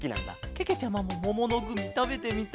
けけちゃまももものグミたべてみたいケロ。